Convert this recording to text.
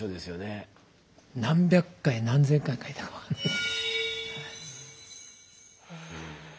何百回何千回書いたか分かんないです。